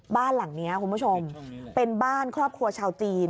บ้านหลังนี้คุณผู้ชมเป็นบ้านครอบครัวชาวจีน